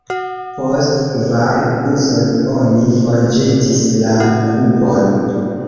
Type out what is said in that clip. Post kvar uzoj, oni forĵetis la kubon.